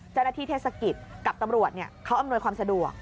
เจ้าหน้าที่เทศกิจกับตำรวจเขาอำนวยความสะดวก